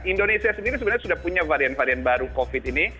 indonesia sendiri sebenarnya sudah punya varian varian baru covid ini